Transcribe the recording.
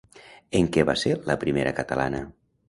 En què va ser la primera catalana?